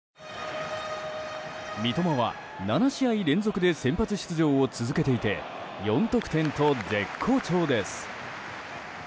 三笘は７試合連続で先発出場を続けていて４得点と絶好調です。